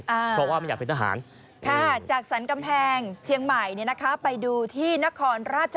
เพราะว่ามันอยากเป็นพีธหาร